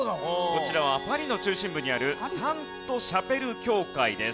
こちらはパリの中心部にあるサント・シャペル教会です。